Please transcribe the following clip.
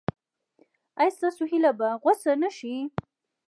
ایا ستاسو هیله به غوڅه نشي؟